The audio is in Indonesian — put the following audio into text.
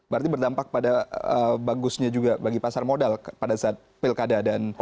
berarti berdampak pada bagusnya juga bagi pasar modal pada saat pilkada